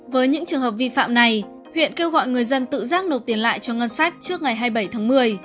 với những trường hợp vi phạm này huyện kêu gọi người dân tự giác nộp tiền lại cho ngân sách trước ngày hai mươi bảy tháng một mươi